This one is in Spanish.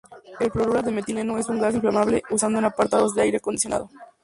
El fluoruro de metileno es un gas inflamable usado en aparatos de aire acondicionado.